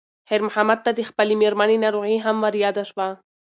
خیر محمد ته د خپلې مېرمنې ناروغي هم ور یاده شوه.